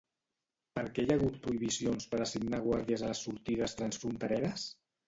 Per què hi ha hagut prohibicions per assignar guàrdies a les sortides transfrontereres?